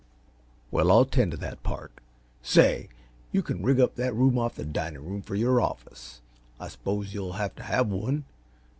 "Well, I'll tend t' that part. Say! You can rig up that room off the dining room for your office I s'pose you'll have to have one.